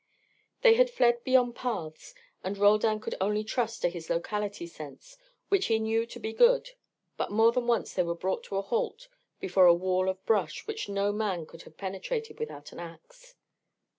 They had fled beyond paths, and Roldan could only trust to his locality sense, which he knew to be good. But more than once they were brought to halt before a wall of brush, which no man could have penetrated without an axe.